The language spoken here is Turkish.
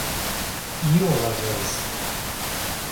İyi olacağız.